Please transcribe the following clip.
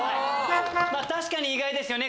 確かに意外ですよね